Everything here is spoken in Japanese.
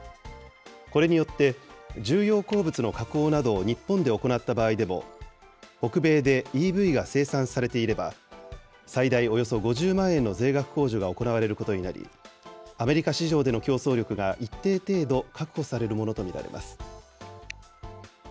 これによって重要鉱物の加工などを日本で行った場合でも、北米でＥＶが生産されていれば、最大およそ５０万円の税額控除が行われることになり、アメリカ市場での競争力が一定程度確保されるものと見られます。